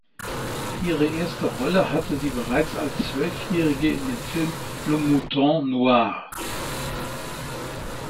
Ihre erste Rolle hatte sie bereits als Zwölfjährige in dem Film "Le mouton noir".